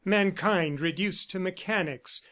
. Mankind reduced to mechanics.